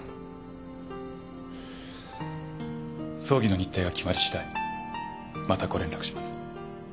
葬儀の日程が決まりしだいまたご連絡します。